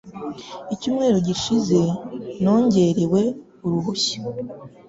Icyumweru gishize nongerewe uruhushya.